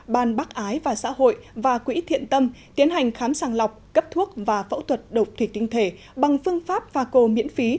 ban bắc ái và xã hội và quỹ thiện tâm tiến hành khám sàng lọc cấp thuốc và phẫu thuật độc thủy tinh thể bằng phương pháp pha cô miễn phí